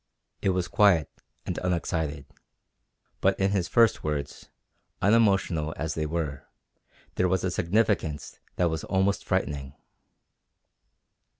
It was quiet and unexcited. But in his first words, unemotional as they were, there was a significance that was almost frightening.